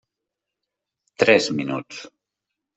Tres minuts.